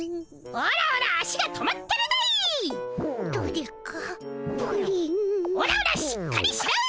オラオラしっかりしろ！